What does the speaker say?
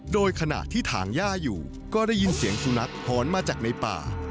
โดยขณะที่ถางย่าอยู่ก็ได้ยินเสียงสุนัขหอนมาจากในป่า